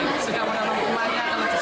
nggak pernah bolos